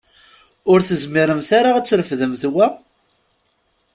Ur tezmiremt ara ad trefdemt wa?